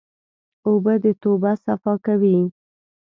اوبه د توبه صفا کوي.